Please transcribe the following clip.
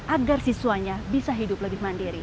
agar siswanya bisa hidup lebih mandiri